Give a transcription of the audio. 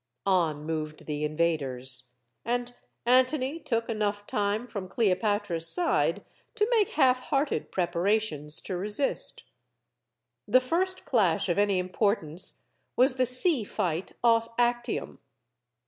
On moved the invaders. And Antony took enough time from Cleopatra's side to make halfhearted prepar ations to resist. The first clash of any importance was the sea fight off Actium.